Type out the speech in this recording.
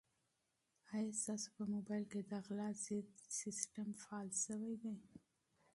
آیا ستاسو په موبایل کې د غلا ضد سیسټم فعال شوی دی؟